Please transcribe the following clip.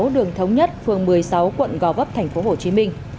đường thống nhất phường một mươi sáu quận gò vấp tp hcm